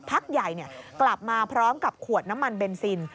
พักใหญ่กลับมาพร้อมกับขวดน้ำมันเบนซิน